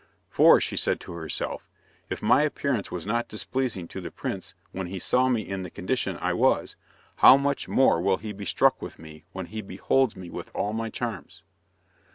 "For," she said to herself, "if my appearance was not displeasing to the prince when he saw me in the condition I was, how much more will he be struck with me when he beholds me with all my charms."